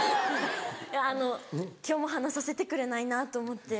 あの今日も話させてくれないなと思って。